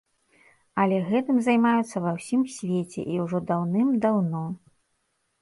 Але гэтым займаюцца ва ўсім свеце і ўжо даўным-даўно.